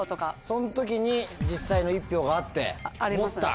その時に実際の１俵があって持った？